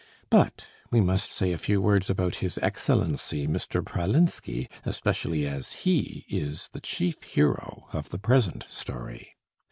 But we must say a few words about his Excellency, Mr. Pralinsky, especially as he is the chief hero of the present story.